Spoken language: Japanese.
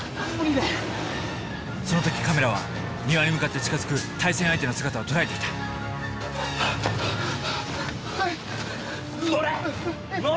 その時カメラは庭に向かって近づく対戦相手の姿を捉えていたへい。